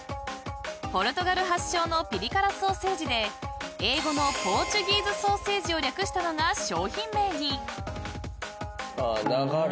［ポルトガル発祥のピリ辛ソーセージで英語のポーチュギーズソーセージを略したのが商品名に］